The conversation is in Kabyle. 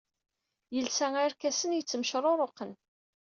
Yelsa arkasen yettmecruruqen.